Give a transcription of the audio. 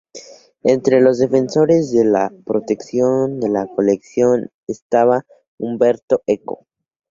Entre los defensores de la protección de la colección estaba Umberto Eco.